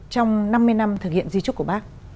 trong năm mươi năm thực hiện di trúc của bác